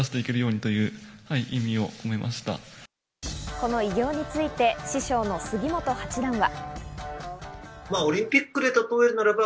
この偉業について師匠の杉本八段は。